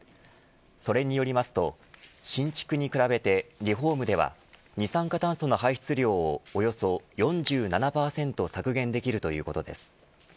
それによりますと、新築に比べてリフォームでは二酸化炭素の排出量をおよそ４７％削減できるということです。